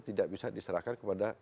tidak bisa diserahkan kepada